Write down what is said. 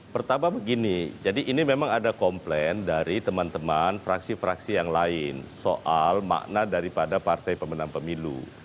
pertama begini jadi ini memang ada komplain dari teman teman fraksi fraksi yang lain soal makna daripada partai pemenang pemilu